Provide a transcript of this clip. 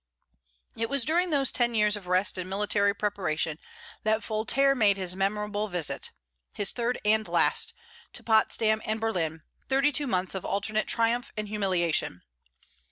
It was during those ten years of rest and military preparation that Voltaire made his memorable visit his third and last to Potsdam and Berlin, thirty two months of alternate triumph and humiliation.